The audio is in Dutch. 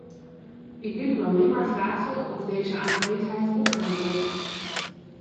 Ik wil u alleen maar vragen of deze aangelegenheid opgehelderd is.